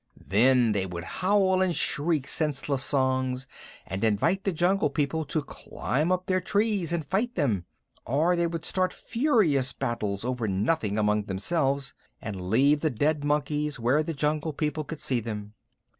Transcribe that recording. Then they would howl and shriek senseless songs, and invite the Jungle People to climb up their trees and fight them, or would start furious battles over nothing among themselves, and leave the dead monkeys where the Jungle People could see them.